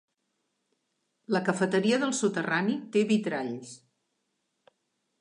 La cafeteria del soterrani té vitralls.